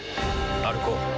歩こう。